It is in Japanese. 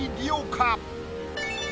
か？